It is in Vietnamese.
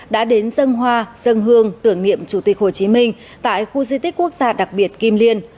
đã đến dân hoa dân hương tưởng niệm chủ tịch hồ chí minh tại khu di tích quốc gia đặc biệt kim liên